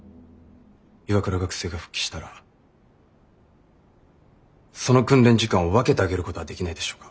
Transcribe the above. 岩倉学生が復帰したらその訓練時間を分けてあげることはできないでしょうか？